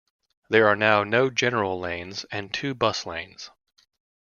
There are now no general lanes, and two bus lanes.